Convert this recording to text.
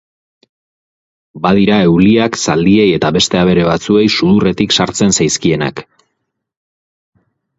Badira euliak zaldiei eta beste abere batzuei sudurretik sartzen zaizkienak.